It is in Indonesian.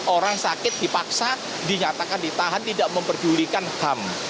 orang sakit dipaksa dinyatakan ditahan tidak memperdulikan ham